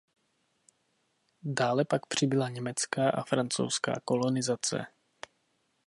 Dále pak přibyla německá a francouzská lokalizace.